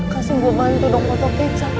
kasih gue bantu dong potol kecap